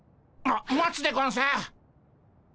ま待つでゴンス。